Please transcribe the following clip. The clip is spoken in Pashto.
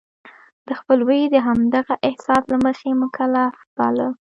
د خپلوی د همدغه احساس له مخې مکلف باله.